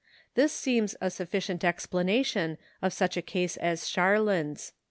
This seems a sufficient explanation of such a case as Sharland's.